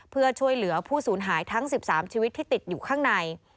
เพื่อช่วยเหลือผู้สูญหายทั้ง๑๓ชีวิตที่ติดอยู่ข้างใน